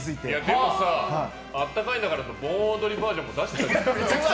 でも「あったかいんだからぁ」の盆踊りバージョンも出してたじゃん。